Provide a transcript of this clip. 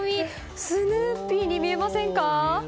スヌーピーに見えませんか？